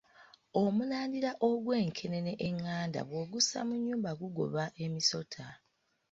Omulandira og’wenkenene eŋŋanda bw’ogussa mu nnyumba gugoba emisota.